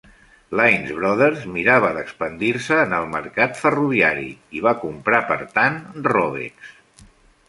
Lines Brothers mirava d'expandir-se en el mercat ferroviari i va comprar per tant Rovex.